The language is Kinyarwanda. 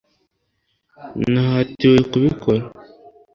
nahatiwe kubikora